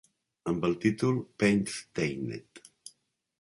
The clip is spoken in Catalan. Amb el títol "Painstained".